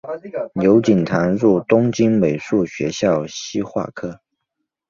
刘锦堂入东京美术学校西画科